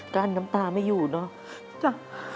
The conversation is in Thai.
กั้นน้ำตาไม่อยู่เนอะ